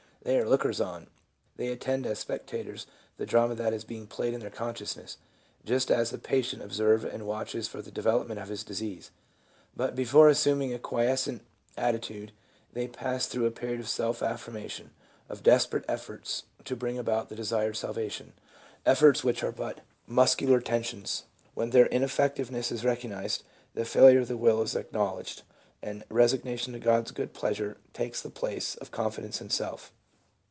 They are lookers on ; they attend as spectators the drama that is being played in their consciousness, just as a patient observes and watches for the development of his disease. But before assuming a quiescent attitude, they pass through a period of self affirmation, of desperate efforts to bring about the desired salvation, — efforts which are but muscular ten sions. When their ineffectiveness is recognized, the failure of the will is acknowledged, and resignation to God's good pleasure takes the place of confidence in self.